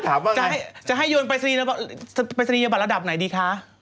ถามว่าจะให้ยนต์ไปสดียนต์ไปสดีระดับไหนดีคะ